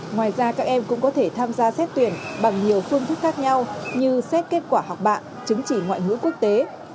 ngoài ra các em cũng có thể tham gia xét tuyển bằng nhiều phương thức khác nhau như xét kết quả học bạ chứng chỉ ngoại ngữ quốc tế